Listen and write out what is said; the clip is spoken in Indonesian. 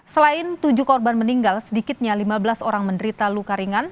selain tujuh korban meninggal sedikitnya lima belas orang menderita luka ringan